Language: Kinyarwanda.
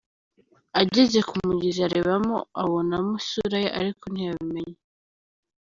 Ageze ku mugezi arebamo abonamo isura ye ariko ntiyabimenya.